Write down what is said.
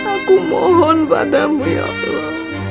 aku mohon padamu ya allah